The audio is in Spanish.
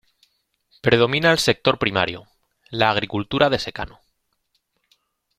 Predomina el sector primario, la agricultura de secano.